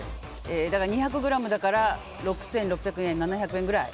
２００ｇだから６６００円６７００円ぐらい。